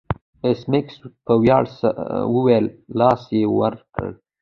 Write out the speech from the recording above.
ایس میکس په ویاړ وویل او لاس یې ور کړ